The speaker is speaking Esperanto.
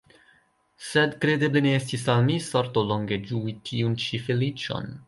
Sed kredeble ne estis al mi sorto longe ĝui tiun ĉi feliĉon.